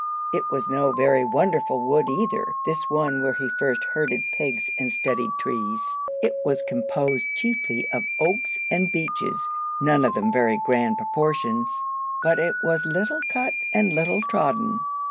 It was no very wonderful wood either, this one where he first herded pigs and studied trees. It was composed chiefly of oaks and beeches, none of them of very grand proportions. But it was little cut and little trodden.